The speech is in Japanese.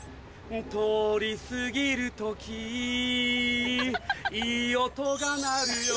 通り過ぎる時いい音が鳴るよ